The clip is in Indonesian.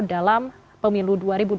dalam pemilu dua ribu dua puluh